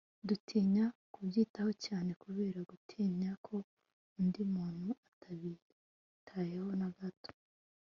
dutinya kubyitaho cyane, kubera gutinya ko undi muntu atabitayeho na gato